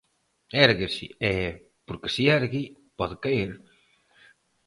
Érguese e, porque se ergue, pode caer.